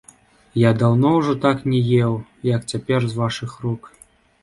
Я даўно ўжо так не еў, як цяпер з вашых рук.